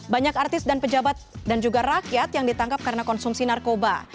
banyak artis dan pejabat dan juga rakyat yang ditangkap karena konsumsi narkoba